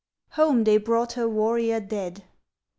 HOME THEY BROUGHT HER WARRIOR DEAD.